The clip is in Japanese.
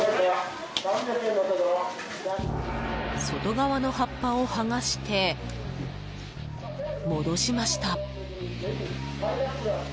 外側の葉っぱを剥がして戻しました。